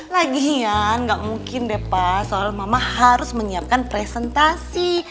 lagian gak mungkin deh pak soal mama harus menyiapkan presentasi